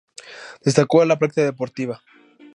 Destacó en la práctica deportiva.